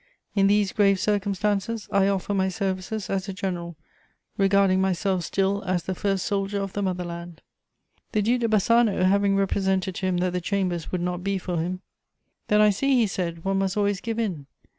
In these grave circumstances, I offer my services as a general, regarding myself still as the first soldier of the mother land." The Duc de Bassano having represented to him that the Chambers would not be for him: "Then I see," he said, "one must always give in.